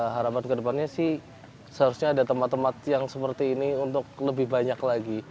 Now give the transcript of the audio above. harapan kedepannya sih seharusnya ada tempat tempat yang seperti ini untuk membuat warga yang memiliki kekuasaan